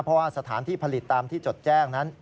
เพราะว่าสถานที่ผลิตตามที่จดแจ้งนั้น